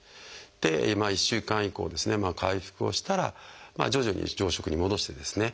１週間以降ですね回復をしたら徐々に常食に戻してですね。